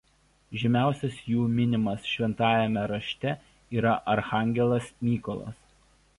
Žymiausias jų minimas Šventajame Rašte yra arkangelas Mykolas.